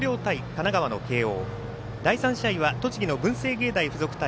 神奈川の慶応第３試合は栃木の文星芸大付属対